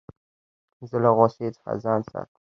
زه له غوسې څخه ځان ساتم.